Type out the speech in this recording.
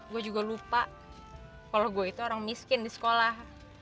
gue juga lupa kalau gue itu orang miskin di sekolah